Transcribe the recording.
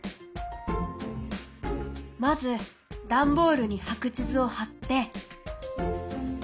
まずダンボールに白地図を貼って！